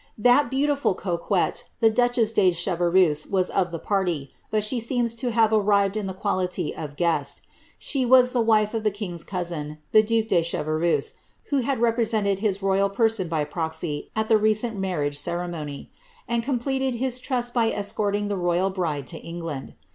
That beautiful coquette, the duchess de Chevreuse, was of the party, but she seems to have arrived in the quality of guest ; she was the wife of the king's cousin, the duke de Chevreuse,' who had represented his royal person by proxy at the recent marriage ceremony, and completed his trust by escorting the royal bride to England.